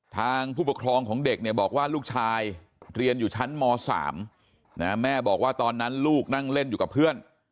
ผู้ปกครองของเด็กเนี่ยบอกว่าลูกชายเรียนอยู่ชั้นม๓แม่บอกว่าตอนนั้นลูกนั่งเล่นอยู่กับเพื่อน